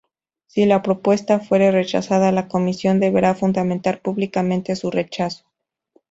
Si la propuesta fuere rechazada, la comisión deberá fundamentar públicamente su rechazo.